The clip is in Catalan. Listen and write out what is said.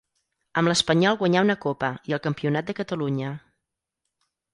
Amb l'Espanyol guanyà una Copa i el Campionat de Catalunya.